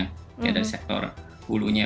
maka kita harus pikirkan dulu dari kondisi hulunya